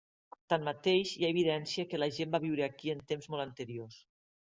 Tanmateix, hi ha evidència que la gent va viure aquí en temps molt anteriors.